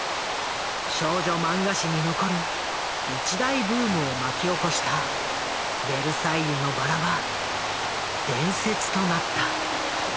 少女マンガ史に残る一大ブームを巻き起こした「ベルサイユのばら」は伝説となった。